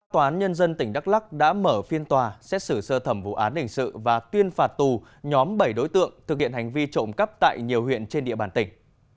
tòa án nhân dân tỉnh đắk lắc đã mở phiên tòa xét xử sơ thẩm vụ án hình sự và tuyên phạt tù nhóm bảy đối tượng thực hiện hành vi trộm cắp tại nhiều huyện trên địa bàn tỉnh